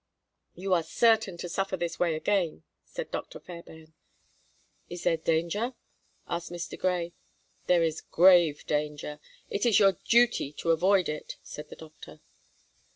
"You are certain to suffer this way again," said Dr. Fairbairn. "Is there danger?" asked Mr. Grey. "There is grave danger; it is your duty to avoid it," said the doctor.